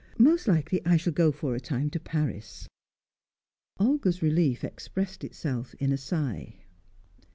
Most likely I shall go for a time to Paris." Olga's relief expressed itself in a sigh.